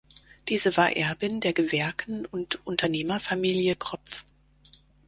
Diese war Erbin der Gewerken- und Unternehmerfamilie Kropff.